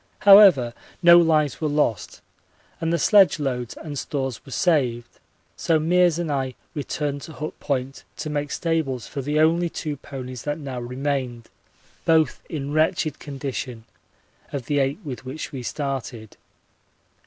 However, no lives were lost and the sledge loads and stores were saved, so Meares and I returned to Hut Point to make stables for the only two ponies that now remained, both in wretched condition, of the eight with which we started.